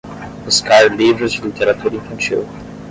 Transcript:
Buscar livros de literatura infantil